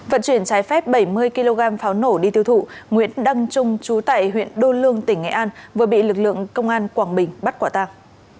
vận chuyển trái phép bảy mươi kg pháo nổ đi tiêu thụ nguyễn đăng trung chú tại huyện đô lương tỉnh nghệ an vừa bị lực lượng công an quảng bình bắt quả tàng